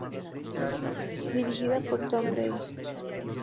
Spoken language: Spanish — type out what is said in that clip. Dirigida por Tom Dey.